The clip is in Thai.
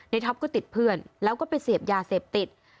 ท็อปก็ติดเพื่อนแล้วก็ไปเสพยาเสพติด